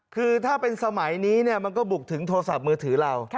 คือถ้าเป็นสมัยนี้มันก็บุกถึงโทรศัพท์มือถือเรา